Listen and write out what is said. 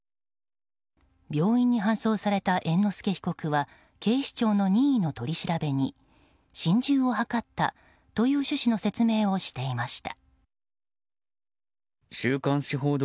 病院に搬送された猿之助被告は警視庁の任意の取り調べに心中を図ったという趣旨の説明をしていました。